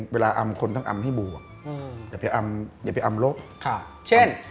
เวลาอำคนทั้งอำให้บวกอืมอย่าไปอำอย่าไปอำลบค่ะเช่น